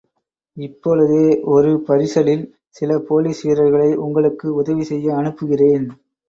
இப்பொழுதே ஒரு பரிசலில் சில போலீஸ் வீரர்களை உங்களுக்கு உதவி செய்ய அனுப்புகிறேன்.